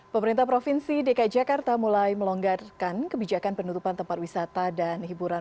pemerintah provinsi dki jakarta mulai melonggarkan kebijakan penutupan tempat wisata dan hiburan